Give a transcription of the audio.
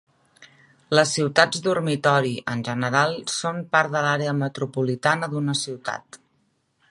Les ciutats dormitori en general són part de l'Àrea Metropolitana d'una ciutat.